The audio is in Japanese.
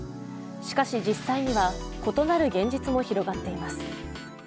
しかし、実際には異なる現実も広がっています。